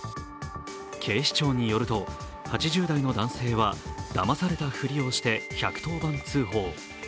警視庁によると、８０代の男性はだまされたふりをして１１０番通報。